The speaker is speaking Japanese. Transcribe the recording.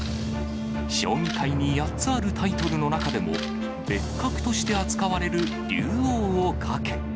将棋界に８つあるタイトルの中でも、別格として扱われる竜王をかけ。